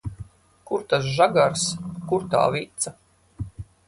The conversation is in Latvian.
Kur tas žagars, kur tā vica?